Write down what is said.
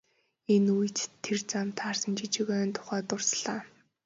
Энэ үед тэр замд таарсан жижиг ойн тухай дурслаа.